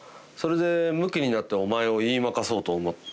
それでむきになってお前を言い負かそうと思。